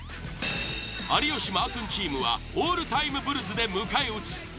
有吉＆マー君チームはオールタイム・ブルズで迎え撃つ。